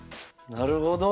なるほど！